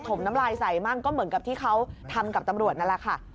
มน้ำลายใส่มั่งก็เหมือนกับที่เขาทำกับตำรวจนั่นแหละค่ะ